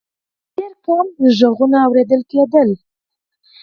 ډېر کم غږونه اورېدل کېدل.